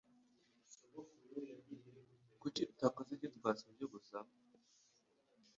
Kuki utakoze ibyo twasabye gusa?